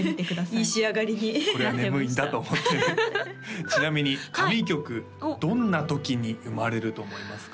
いい仕上がりにこれは眠いんだと思ってちなみに神曲どんな時に生まれると思いますか？